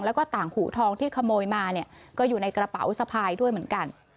แล้วก็ต่างหูทองที่ขโมยมาเนี่ยก็อยู่ในกระเป๋าสะพายด้วยเหมือนกัน